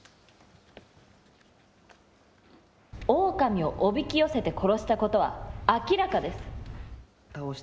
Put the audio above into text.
オオカミをおびき寄せて殺したことは明らかです。